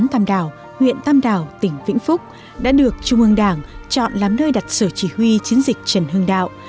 tàm đào huyện tam đảo tỉnh vĩnh phúc đã được trung ương đảng chọn làm nơi đặt sở chỉ huy chiến dịch trần hương đạo